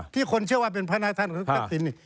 ที่คนเชื่อว่าเป็นพระนาท่านหัวหน้าทักศิลป์